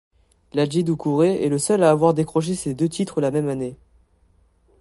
Ladji Doucouré est le seul à avoir décroché ses deux titres la même année.